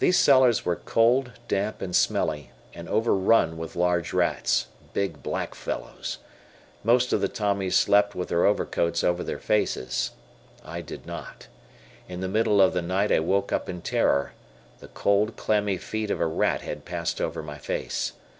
These cellars were cold, damp, and smelly, and overrun with large rats big black fellows. Most of the Tommies slept with their overcoats over their faces. I did not. In the middle of the night I woke up in terror. The cold, clammy feet of a rat had passed over my face.